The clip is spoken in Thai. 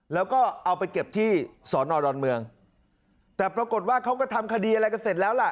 แล้วก็เอาไปเก็บที่สอนอดอนเมืองแต่ปรากฏว่าเขาก็ทำคดีอะไรกันเสร็จแล้วล่ะ